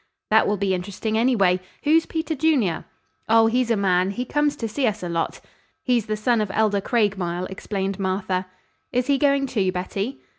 "That will be interesting, anyway. Who's Peter Junior?" "Oh, he's a man. He comes to see us a lot." "He's the son of Elder Craigmile," explained Martha. "Is he going, too, Betty?"